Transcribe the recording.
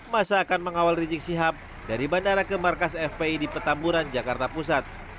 masa akan mengawal rizik sihab dari bandara ke markas fpi di petamburan jakarta pusat